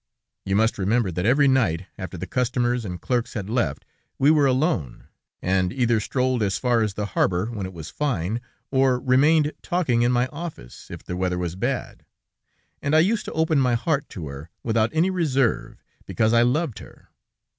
You must remember that every night, after the customers and clerks had left, we were alone, and either strolled as far as the harbor, when it was fine, or remained talking in my office, if the weather was bad, and I used to open my heart to her without any reserve, because I loved her.